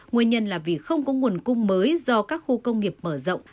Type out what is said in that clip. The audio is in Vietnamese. nguyên nhân là vì không có nguồn cung mới do các khu công nghiệp mở rộng